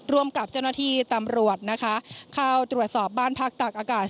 ร่วมกับเจ้าหน้าที่ตำรวจนะคะเข้าตรวจสอบบ้านพักตากอากาศ